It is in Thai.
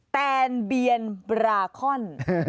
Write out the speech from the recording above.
แตนเบียนบราคอน